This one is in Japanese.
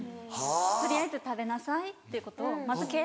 「取りあえず食べなさい」っていうことを「まずけ」。